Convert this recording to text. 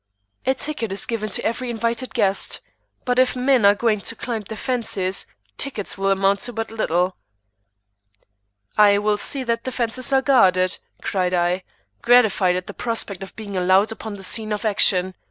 "A ticket is given to every invited guest; but if men are going to climb the fences, tickets will amount to but little." "I will see that the fences are guarded," cried I, gratified at the prospect of being allowed upon the scene of action.